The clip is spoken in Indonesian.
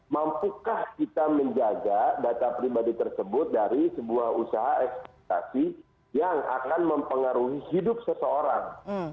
mampukah kita menjaga data pribadi tersebut dari sebuah usaha eksploitasi yang akan mempengaruhi hidup seseorang